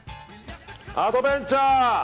アドベンチャー！